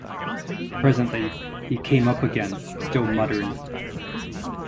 Presently he came up again, still muttering.